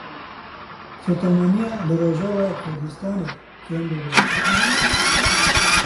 Sotemeniya li Rojavayê Kurdistanê kêm dibe.